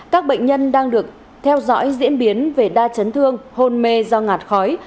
các bệnh nhân đang được theo dõi diễn biến về đa chấn thương hôn mê do ngạt khói